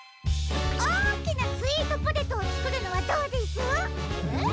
おおきなスイートポテトをつくるのはどうです？えっ？